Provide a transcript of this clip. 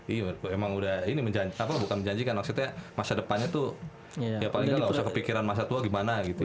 iya emang udah ini bukan menjanjikan maksudnya masa depannya tuh ya paling nggak usah kepikiran masa tua gimana gitu